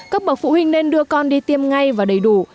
các bậc phụ huynh nên đưa con đi tiêm ngay và đầy đủ